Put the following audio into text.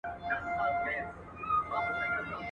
چي لو کونه وينې، ځيني تښته!